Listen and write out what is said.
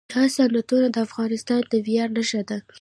دا صنعتونه د افغانستان د ویاړ نښه ده.